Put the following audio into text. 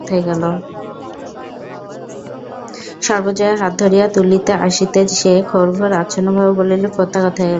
সর্বজয়া হাত ধরিয়া তুলিতে আসিতে সে ঘোর-ঘোর আচ্ছন্নভাবে বলিল, খোকা কোথায় গেল?